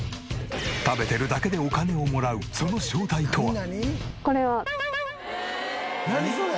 食べてるだけでお金をもらうその正体とは？